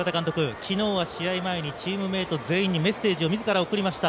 昨日は試合前にチームメート全員にメッセージを自ら送りました。